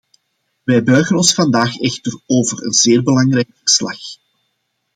We buigen ons vandaag echter over een zeer belangrijk verslag.